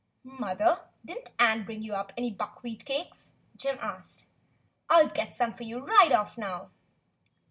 "Mother, did n't Ann bring you up any buck wheat cakes .^" Jim asked. "I'll get some for you right off now."